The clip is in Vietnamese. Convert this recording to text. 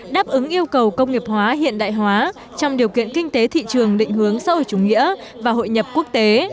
đáp ứng yêu cầu công nghiệp hóa hiện đại hóa trong điều kiện kinh tế thị trường định hướng xã hội chủ nghĩa và hội nhập quốc tế